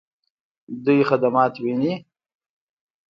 دوی خدمات ویني؟